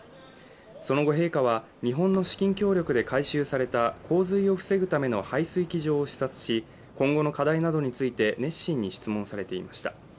その後、陛下は日本の資金協力で改修された洪水を防ぐための排水機場を視察し今後の課題などについて熱心に質問されていました。